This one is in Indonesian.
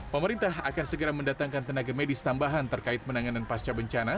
pemerintah akan segera mendatangkan tenaga medis tambahan terkait penanganan pasca bencana